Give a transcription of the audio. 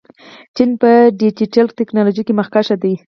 چین په ډیجیټل تکنالوژۍ کې مخکښ دی.